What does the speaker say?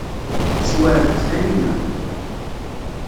Tessewɛed-d Taninna.